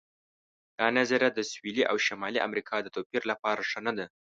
دا نظریه د سویلي او شمالي امریکا د توپیر لپاره ښه نه ده.